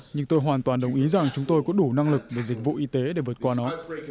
nhưng tôi hoàn toàn đồng ý rằng chúng tôi có đủ năng lực về dịch vụ y tế để vượt qua nó